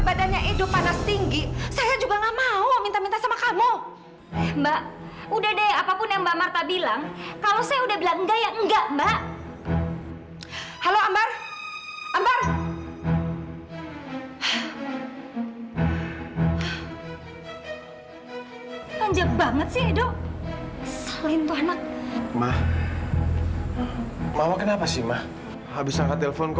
biarin aja edo sakit bukan urusan kita kok